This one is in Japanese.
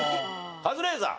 カズレーザー。